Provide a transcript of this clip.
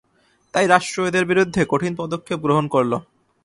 তাই রাষ্ট্র এদের বিরুদ্ধে কঠিন পদক্ষেপ গ্রহণ করল।